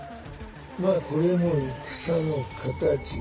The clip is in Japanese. まぁこれも戦の形。